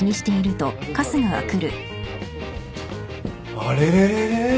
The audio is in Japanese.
あれれれれ？